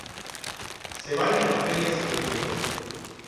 Se baila en ferias y festejos.